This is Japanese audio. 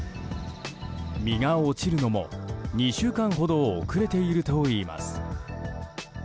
実が落ちるのも２週間ほど遅れているといいます。